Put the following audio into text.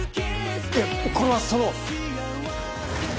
いやこれはその。